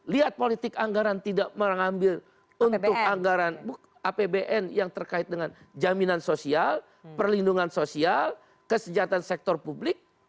lihat politik anggaran tidak mengambil untuk anggaran apbn yang terkait dengan jaminan sosial perlindungan sosial kesejahteraan sektor publik